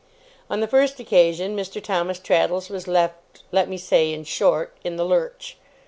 On the first occasion Mr. Thomas Traddles was left let me say, in short, in the lurch.